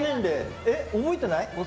覚えてない？